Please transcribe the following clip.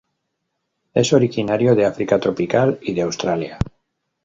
Es originario de África tropical, y de Australia.